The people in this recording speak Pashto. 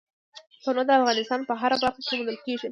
تنوع د افغانستان په هره برخه کې موندل کېږي.